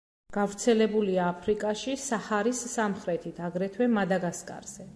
გავრცელებულია აფრიკაში, საჰარის სამხრეთით, აგრეთვე მადაგასკარზე.